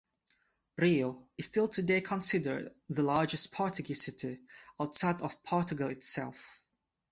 Rio is still today considered the largest "Portuguese city" outside of Portugal itself.